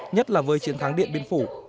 nhất là với chiến thắng điện biên phủ